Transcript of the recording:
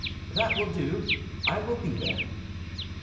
"That will do; I will be there."